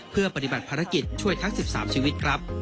เพื่อปฏิบัติภารกิจช่วยทั้ง๑๓ชีวิตครับ